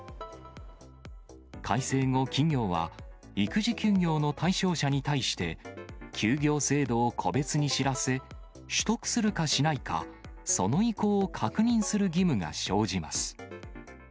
改正後、企業は育児休業の対象者に対して、休業制度を個別に知らせ、取得するかしないか、その意向を確認する義務が生じます。